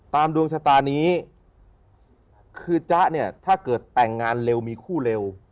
ดวงชะตานี้คือจ๊ะเนี่ยถ้าเกิดแต่งงานเร็วมีคู่เร็ว